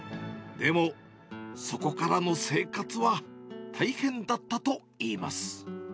でも、そこからの生活は大変だったといいます。